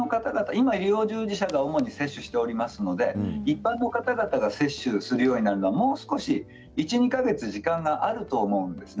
今は医療従事者が主に接種していますので一般の方々が接種するようになるまでには１、２か月時間があると思うんです。